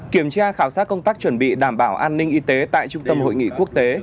kiểm tra khảo sát công tác chuẩn bị đảm bảo an ninh y tế tại trung tâm hội nghị quốc tế